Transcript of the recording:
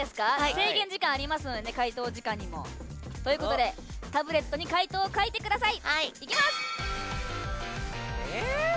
制限時間ありますので回答時間にも。ということでタブレットに回答を書いてください。